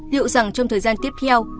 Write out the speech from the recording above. liệu rằng trong thời gian tiếp theo